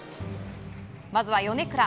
まずは米倉。